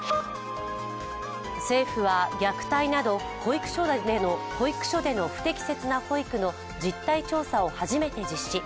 政府は、虐待など保育所での不適切な保育の実態調査を初めて実施。